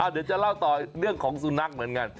เดี๋ยวจะเล่าต่อเรื่องของสุนัขเหมือนกัน